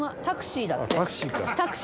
タクシーだって。